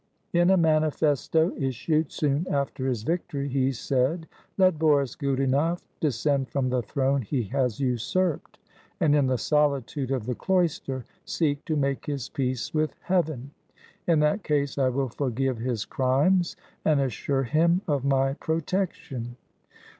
In a manifesto issued soon after his victory, he said, "Let Boris Godunof descend from the throne he has usurped, and in the solitude of the cloister seek to make his peace with Heaven. In that case I will forgive his crimes, and assure him of my protection."